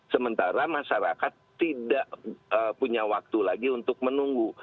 sementara masyarakat tidak punya waktu lagi untuk menunggu